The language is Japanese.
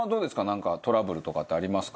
なんかトラブルとかってありますか？